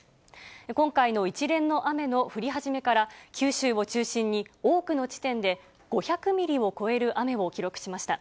今回の一連の雨の降り始めから、九州を中心に多くの地点で５００ミリを超える雨を記録しました。